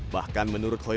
bahkan menurut koirunisa